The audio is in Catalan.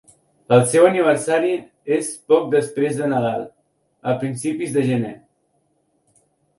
El seu aniversari és poc després de Nadal, a principis de gener